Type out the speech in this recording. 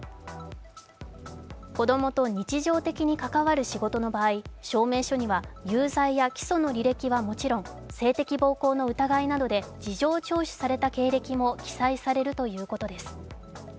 子供と日常的に関わる仕事の場合、証明書には有罪や起訴の履歴はもちろん性的暴行の疑いなどで事情聴取された経歴も記載されるということです。